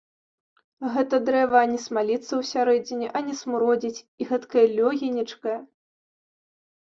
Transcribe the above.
Гэта дрэва ані смаліцца ўсярэдзіне, ані смуродзіць і гэткая лёгенечкая!